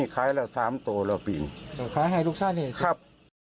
คล้ายให้ลูกชายเห็นจริงค่ะครับ